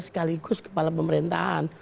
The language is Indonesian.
sekaligus kepala pemerintahan